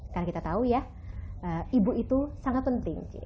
karena kita tahu ya ibu itu sangat penting